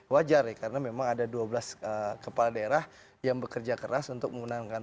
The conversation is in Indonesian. wajar ya karena memang ada dua belas kepala daerah yang bekerja keras untuk menggunakan